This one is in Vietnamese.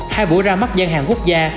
hai buổi ra mắt gian hàng quốc gia